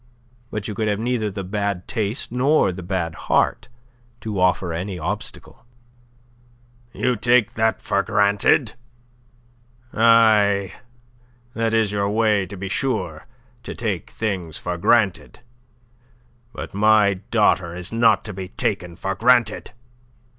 But you could have neither the bad taste nor the bad heart to offer any obstacle." "You take that for granted? Aye, that is your way, to be sure to take things for granted. But my daughter is not to be taken for granted.